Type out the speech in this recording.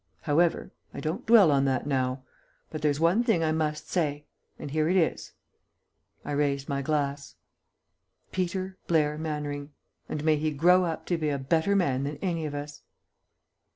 However, I won't dwell on that now. But there's one thing I must say, and here it is." I raised my glass. "Peter Blair Mannering, and may he grow up to be a better man than any of us!"